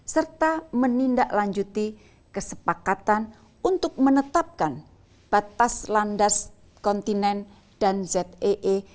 serta menindaklanjuti kesepakatan untuk menetapkan batas landas kontinen dan zee